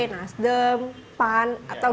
nasdem pan atau